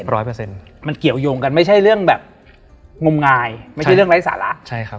ร้อยเปอร์เซ็นต์มันเกี่ยวยงกันไม่ใช่เรื่องแบบงมงายไม่ใช่เรื่องไร้สาระใช่ครับ